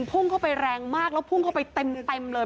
พุ่งเข้าไปแรงมากแล้วพุ่งเข้าไปเต็มเลย